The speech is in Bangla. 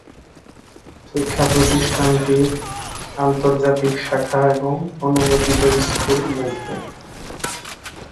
শিক্ষা প্রতিষ্ঠানটির আন্তর্জাতিক শাখা এবং অনুমোদিত স্কুল রয়েছে।